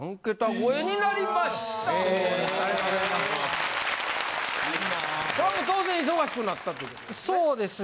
これはもう当然忙しくなったということですね。